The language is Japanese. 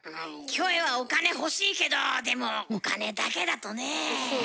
キョエはお金は欲しいけどでも、お金だけだとね。